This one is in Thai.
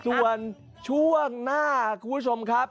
ส่วนช่วงหน้าคุณผู้ชมครับ